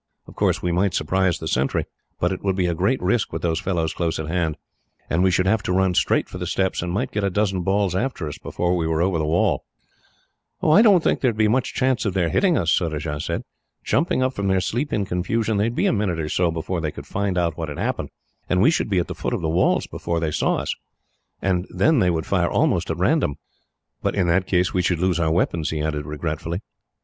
Of course, we might surprise the sentry, but it would be a great risk with those fellows close at hand, and we should have to run straight for the steps, and might get a dozen balls after us, before we were over the wall." "I don't think there would be much chance of their hitting us," Surajah said. "Jumping up from their sleep in confusion, they would be a minute or so before they could find out what had happened, and we should be at the foot of the steps before they saw us, and then they would fire almost at random. "But, in that case, we should lose our weapons," he added regretfully.